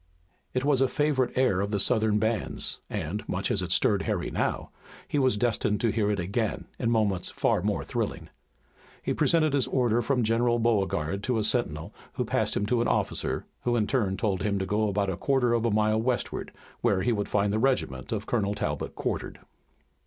It was a favorite air of the Southern bands, and, much as it stirred Harry now, he was destined to hear it again in moments far more thrilling. He presented his order from General Beauregard to a sentinel, who passed him to an officer, who in turn told him to go about a quarter of a mile westward, where he would find the regiment of Colonel Talbot quartered.